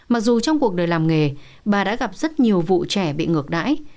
mặc dù trong cuộc đời làm nghề bà đã gặp rất nhiều vụ trẻ bị ngược đãi